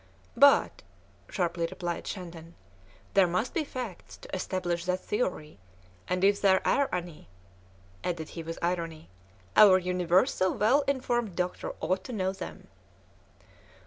"But," sharply replied Shandon, "there must be facts to establish that theory, and if there are any," added he with irony, "our universally well informed doctor ought to know them."